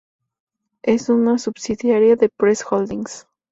Es una subsidiaria de Press Holdings.